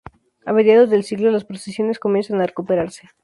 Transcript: A mediados de siglo las procesiones comienzan a recuperarse.